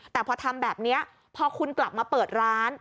แต่พอทำแบบนี้พอคุณกลับมาเปิดร้าน